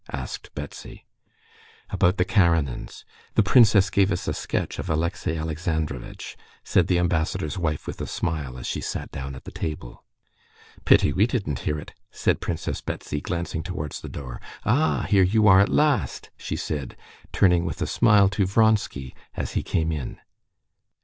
asked Betsy. "About the Karenins. The princess gave us a sketch of Alexey Alexandrovitch," said the ambassador's wife with a smile, as she sat down at the table. "Pity we didn't hear it!" said Princess Betsy, glancing towards the door. "Ah, here you are at last!" she said, turning with a smile to Vronsky, as he came in.